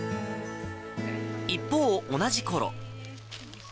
一方、同じころ。